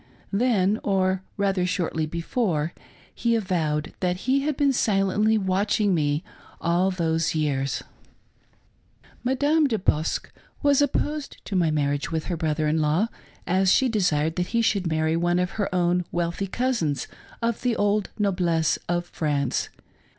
Then — or rather shortly before — he avowed that he had been silently watching me all those yean^. Madame De Bosque was opposed to my marriage with her brother in law, as she desired that he should marry one of her own wealthy cousins of the old noblesse of France.